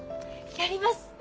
やります。